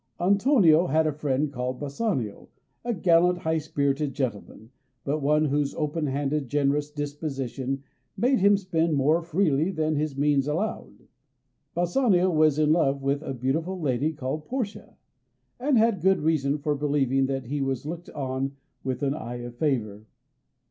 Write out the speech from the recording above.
Antonio had a friend called Bassanio, a gallant, high spirited gentleman, but one whose open handed, generous disposition made him spend more freely than his means allowed. Bassanio was in love with a beautiful lady called Portia, and had good reason for believing that he was looked on with an eye of favour.